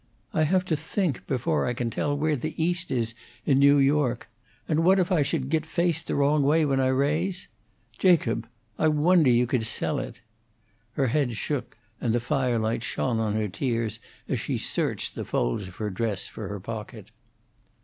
I have to think before I can tell where the east is in New York; and what if I should git faced the wrong way when I raise? Jacob, I wonder you could sell it!" Her head shook, and the firelight shone on her tears as she searched the folds of her dress for her pocket.